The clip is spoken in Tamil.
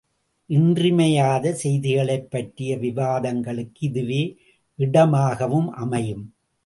இன்றியமையாத செய்திகளைப்பற்றிய விவாதங்களுக்கும் இதுவே இடமாகவும் அமையும்.